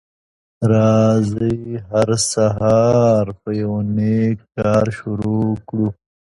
راځی هر سهار په یو نیک کار شروع کړو